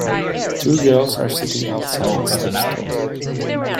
Two girls are sitting outside steps talking.